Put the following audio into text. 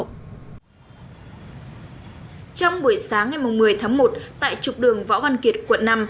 trong buổi sáng ngày một mươi tháng một tại trục đường võ văn kiệt quận năm